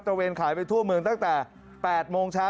เวนขายไปทั่วเมืองตั้งแต่๘โมงเช้า